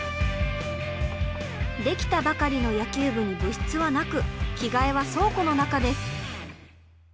できたばかりの野球部に部室はなく着替えは倉庫の中です。